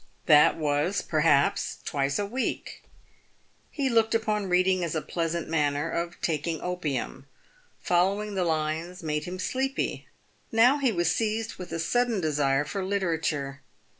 That was, perhaps, twice a week. He looked upon reading as a pleasant manner of taking opium. Following the lines made him feel sleepy. Now he was seized with a sudden desire for literature.